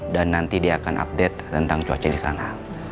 dan nanti dia akan update tentang cuaca di sana